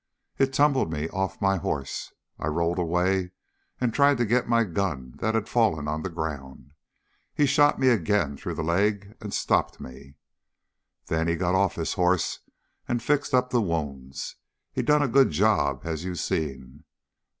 It tumbled me off my hoss. I rolled away and tried to get to my gun that had fallen on the ground. He shot me ag'in through the leg and stopped me. "Then he got off his hoss and fixed up the wounds. He done a good job, as you seen.